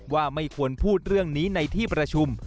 ว่าไม่ควรพูดเรื่องนี้ในที่ประชุม